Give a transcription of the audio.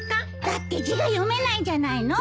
だって字が読めないじゃないの。